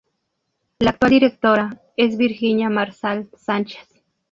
La actual directora es Virginia Marzal Sánchez.